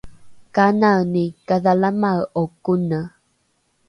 kanani kadhalamae’o kone?